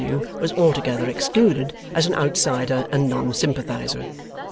W. was altogether excluded, as an outsider and non sympathizer.